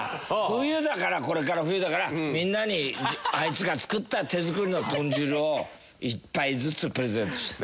冬だからこれから冬だからみんなにあいつが作った手作りの豚汁を１杯ずつプレゼントして。